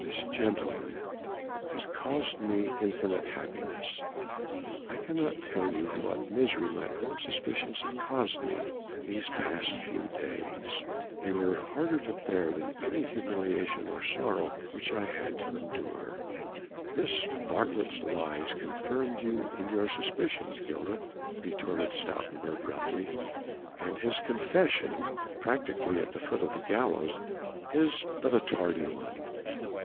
this gentleman has caused me infinite happiness. I cannot tell you what misery my own suspicions have caused me these past two days. They were harder to bear than any humiliation or sorrow which I had to endure." "This varlet's lies confirmed you in your suspicions, Gilda," retorted Stoutenburg roughly, "and his confession practically at the foot of the gallows is but a tardy one."